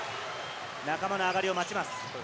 仲間の上がりを待ちます。